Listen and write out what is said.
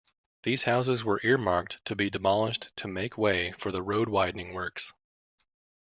These houses were earmarked to be demolished to make way for the road-widening works.